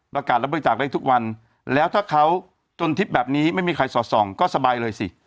รับบริจาคได้ทุกวันแล้วถ้าเขาจนทิศแบบนี้ไม่มีใครสอดส่องก็สบายเลยสิ